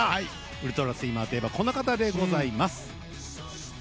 ウルトラスイマーといえばこの方でございます。